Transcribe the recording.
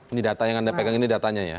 ini data yang anda pegang ini datanya ya